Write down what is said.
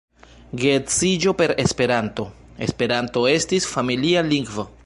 Geedziĝo per Esperanto; Esperanto estis familia lingvo.